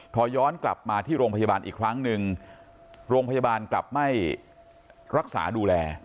พอย้อนกลับมาที่โรงพยาบาลอีกครั้งหนึ่งโรงพยาบาลกลับไม่รักษาดูแล